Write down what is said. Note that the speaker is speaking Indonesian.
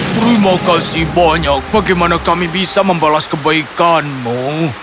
terima kasih banyak bagaimana kami bisa membalas kebaikanmu